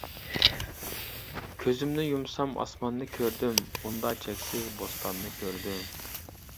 كۈزۈمنى يۇمسام ئاسماننى كۆردۈم، ئۇندا چەكسىز بوستاننى كۆردۈم.